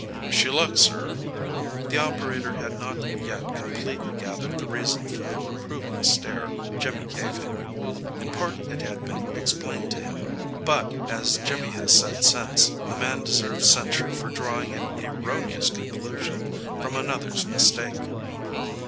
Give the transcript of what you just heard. Wish you luck, sir." The operator has not yet completely gathered the reason for the reproving stare Jimmy gave him. In part it has been explained to him. But, as Jimmy has said since, the man deserved censure for drawing an erroneous conclusion from another's mistake.